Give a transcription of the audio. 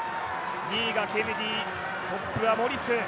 ２位がケネディ、トップはモリス。